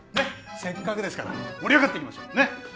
せっかくですから盛り上がっていきましょうねっ！